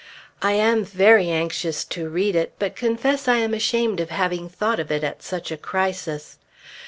I am very anxious to read it, but confess I am ashamed of having thought of it at such a crisis.